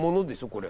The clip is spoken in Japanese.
これ。